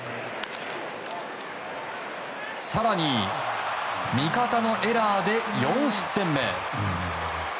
更に、味方のエラーで４失点目。